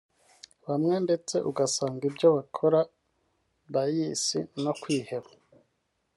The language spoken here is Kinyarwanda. bamwe ndetse ugasanga ibyo bakora bias no kwiheba